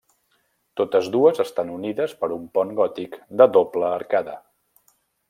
Totes dues estan unides per un pont gòtic de doble arcada.